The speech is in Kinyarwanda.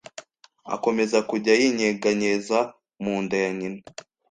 akomeza kujya yinyeganyeza munda ya nyina